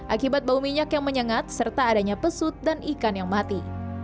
akibat bau minyak yang menyengat serta adanya pesut dan ikan yang mati